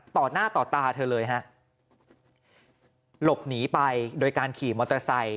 ต่อหน้าต่อตาเธอเลยฮะหลบหนีไปโดยการขี่มอเตอร์ไซค